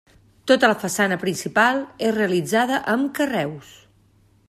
Tota la façana principal és realitzada amb carreus.